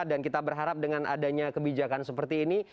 kita berharap dengan adanya kebijakan seperti ini